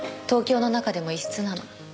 東京の中でも異質なの。